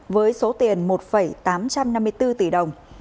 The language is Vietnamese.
với số tiền một tám trăm năm mươi bốn tỷ đồng